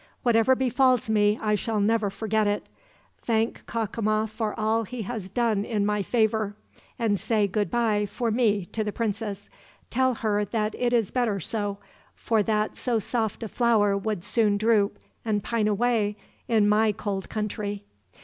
"Whatever befalls me, I shall never forget it. Thank Cacama for all he has done in my favor, and say goodbye for me to the princess. Tell her that it is better so, for that so soft a flower would soon droop, and pine away, in my cold country."